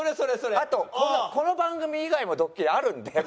あとこの番組以外もドッキリあるんで僕。